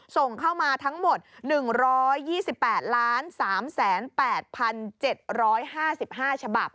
ส่งเข้ามาทั้งหมด๑๒๘๓๘๗๕๕ฉบับ